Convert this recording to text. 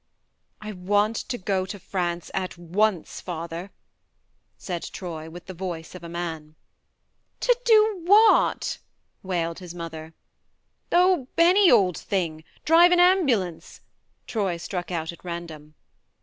..."" I want to go to France at once, father," said Troy, with the voice of a man. " To do what ?" wailed his mother. " Oh, any old thing drive an am bulance," Troy struck out at random.